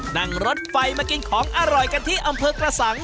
นั่งรถไฟมากินของอร่อยกันที่อำเภอกระสัง